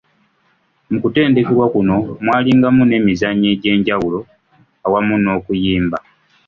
Mu kutendeka kuno mwalingamu n'emizannyo egy'enjawulo awamu n'okuyimba